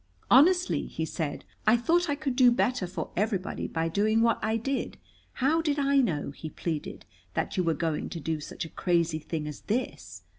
"Honestly," he said, "I thought I could do better for everybody by doing what I did. How did I know," he pleaded, "that you were going to do such a crazy thing as this?"